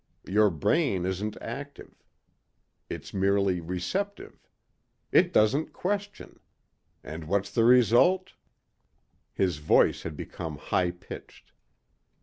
Your brain isn't active. It's merely receptive. It doesn't question. And what's the result?" His voice had become high pitched.